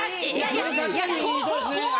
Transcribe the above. まあ確かにそうですね。